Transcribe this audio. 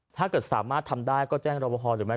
ถ้าเกิดสามารถทำได้ก็แจ้งรบพอหรือไม่